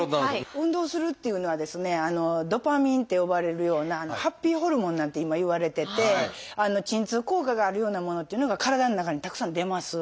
運動するっていうのはですね「ドパミン」って呼ばれるような「ハッピーホルモン」なんて今いわれてて鎮痛効果があるようなものっていうのが体の中にたくさん出ます。